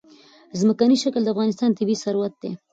ځمکنی شکل د افغانستان طبعي ثروت دی.